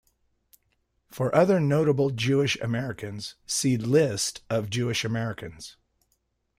For other notable Jewish Americans, see List of Jewish Americans.